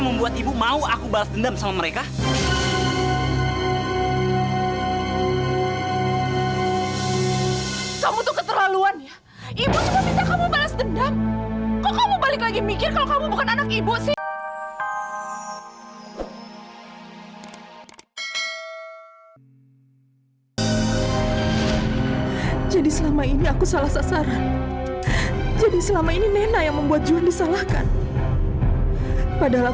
sampai jumpa di video selanjutnya